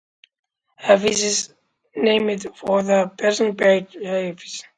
Hafiz is named for the Persian poet Hafez.